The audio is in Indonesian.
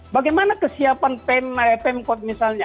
bagaimana kesiapan pemkot misalnya